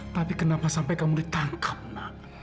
tapi kenapa sampai kamu ditangkap nak